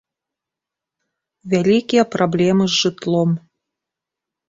Вялікія праблемы з жытлом.